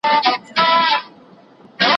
زه به سبا د ژبي تمرين وکړم